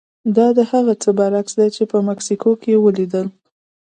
دا د هغه څه برعکس دي چې په مکسیکو کې ولیدل.